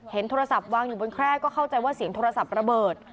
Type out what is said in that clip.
โทรศัพท์วางอยู่บนแคร่ก็เข้าใจว่าเสียงโทรศัพท์ระเบิด